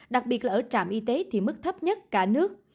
đặc biệt là ở trạm y tế thì mức thấp nhất cả nước